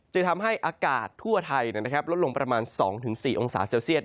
จะทำให้อากาศทั่วไทยลดลงประมาณ๒๔องศาเซลเซียต